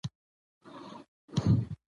جمله د مطلب څرګندونه ده.